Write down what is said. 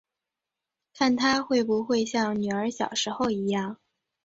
看她会不会像女儿小时候一样